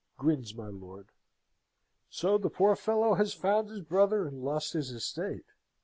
grins my lord. "So the poor fellow has found his brother, and lost his estate!"